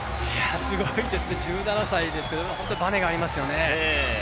すごいですね、１７歳ですけど本当にバネがありますよね。